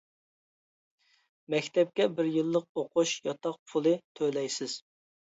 مەكتەپكە بىر يىللىق ئوقۇش، ياتاق پۇلى تۆلەيسىز.